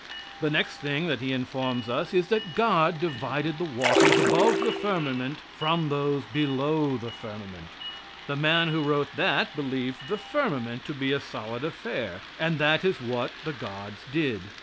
The next thing that he informs us is that God divided the waters above the firmament from those below the firmament. The man who wrote that believed the firmament to be a solid affair. And that is what the gods did.